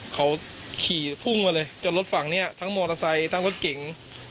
เขาขี่พุ่งมาเลยจนรถฝั่งนี้ทั้งมอเตอร์ไซค์ทั้งรถเก๋ง